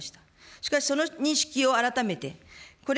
しかし、その認識を改めて、これ